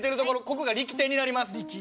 ここが力点になります。